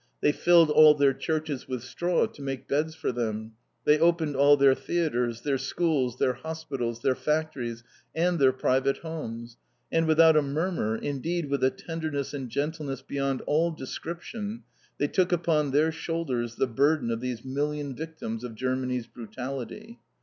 They filled all their churches with straw to make beds for them; they opened all their theatres, their schools, their hospitals, their factories and their private homes, and, without a murmur, indeed, with a tenderness and gentleness beyond all description, they took upon their shoulders the burden of these million victims of Germany's brutality.